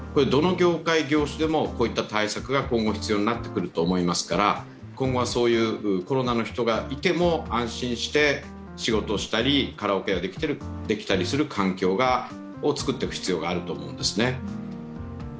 どの業界、業種でもこういった対策が今後必要になってくると思いますから今後はコロナの人がいても安心して仕事をしたり、カラオケができたりする環境を作っていく必要があると思うんです。